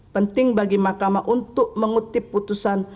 penting bagi mahkamah untuk mengutip putusan